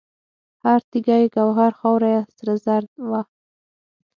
هر تیږه یې ګوهر، خاوره سره زر وه